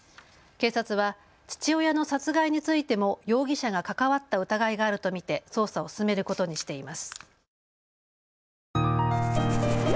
警察は父親の殺害についても容疑者が関わった疑いがあると見て捜査を進めることにしています。